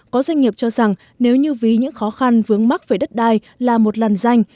có doanh nghiệp cho rằng nếu như vì những khó khăn vướng mắc về đất đai là một làn danh